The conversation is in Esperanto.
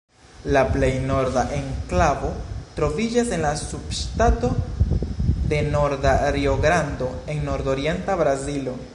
La plej norda enklavo troviĝas en la subŝtato de Norda Rio-Grando en nordorienta Brazilo.